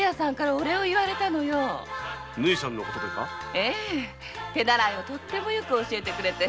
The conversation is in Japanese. ええ手習いをよく教えてくれて。